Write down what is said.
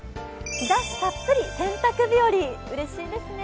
日ざしたっぷり洗濯日和、うれしいですね。